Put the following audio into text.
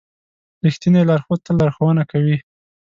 رښتینی لارښود تل لارښوونه کوي.